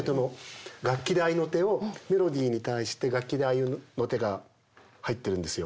楽器で合いの手をメロディーに対して楽器で合いの手が入ってるんですよ。